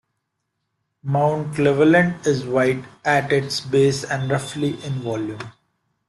Mount Cleveland is wide at its base and roughly in volume.